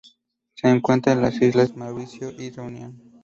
Se encuentra en las islas Mauricio y Reunion.